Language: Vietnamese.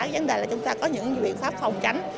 vấn đề là chúng ta có những biện pháp phòng tránh